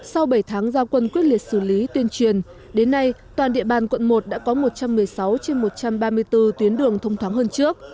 sau bảy tháng giao quân quyết liệt xử lý tuyên truyền đến nay toàn địa bàn quận một đã có một trăm một mươi sáu trên một trăm ba mươi bốn tuyến đường thông thoáng hơn trước